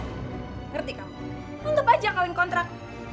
ngerti kamu untuk aja kawin kontrak